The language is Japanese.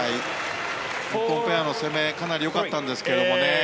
日本ペアの攻めかなり良かったんですけどもね。